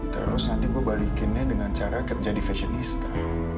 terus nanti gue balikinnya dengan cara kerja di fashionista